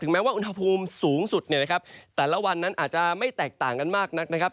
แม้ว่าอุณหภูมิสูงสุดเนี่ยนะครับแต่ละวันนั้นอาจจะไม่แตกต่างกันมากนักนะครับ